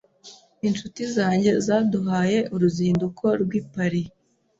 Inshuti zanjye zaduhaye uruzinduko rwi Paris.